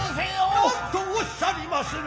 何と仰っしゃりまする。